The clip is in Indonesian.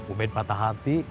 ubed patah hati